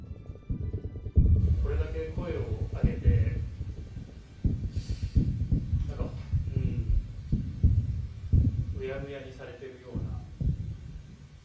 これだけ声を上げて、うやむやにされてるような。